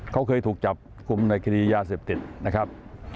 เขาเคยถูกจับกลุ่มในคดียาเสพติดนะครับ